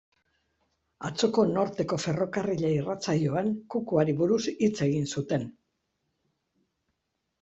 Atzoko Norteko Ferrokarrila irratsaioan, kukuari buruz hitz egin zuten.